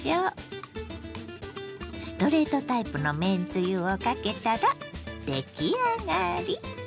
ストレートタイプのめんつゆをかけたら出来上がり。